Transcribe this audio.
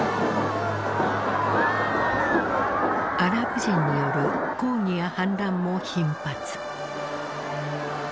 アラブ人による抗議や反乱も頻発。